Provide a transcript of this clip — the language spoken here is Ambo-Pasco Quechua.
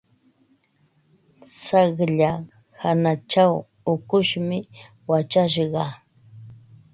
Tsaqlla hanachaw ukushmi wachashqa.